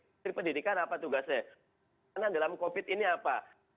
menteri pendidikan apa tugasnya karena dalam covid ini apa